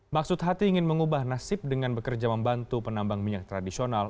maksud hati ingin mengubah nasib dengan bekerja membantu penambang minyak tradisional